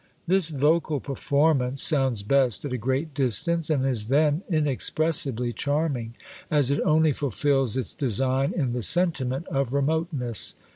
This vocal performance sounds best at a great distance, and is then inexpressibly charming, as it only fulfils its design in the sentiment of remoteness.